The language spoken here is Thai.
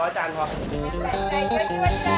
แกงร้ายไว้ด้วยแล้ว